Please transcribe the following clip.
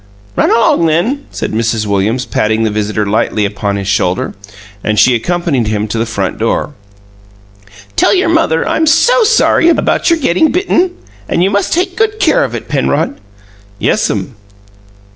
"Run along, then," said Mrs. Williams, patting the visitor lightly upon his shoulder; and she accompanied him to the front door. "Tell your mother I'm so sorry about your getting bitten, and you must take good care of it, Penrod." "Yes'm."